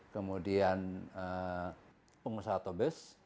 kemudian pengusaha atau bus